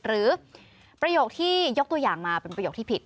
ประโยคที่ยกตัวอย่างมาเป็นประโยคที่ผิด